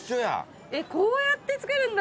こうやって作るんだ。